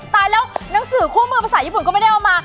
ตายแล้วหนังสือคู่มือภาษาญี่ปุ่นก็ไม่ได้เอามา